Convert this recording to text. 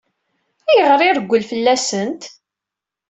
Ayɣer i ireggel fell-asent?